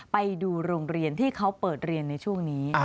ไปดูโรงเรียนที่เขาเปิดเรียนในช่วงนี้